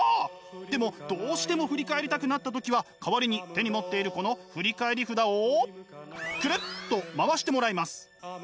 でもどうしても振り返りたくなった時は代わりに手に持っているこの振り返り札をくるっと回してもらいます。